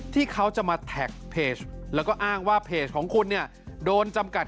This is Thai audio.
ที่เขาจะมาทักเพจและอ้างว่าเพจของคุณโดนจำกัด